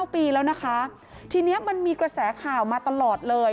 ปีแล้วนะคะทีนี้มันมีกระแสข่าวมาตลอดเลย